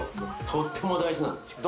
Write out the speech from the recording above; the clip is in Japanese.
とっても大事なんですよ